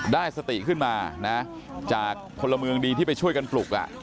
ได้สติขึ้นมานะจากพลเมืองดีที่ไปช่วยกันปลุก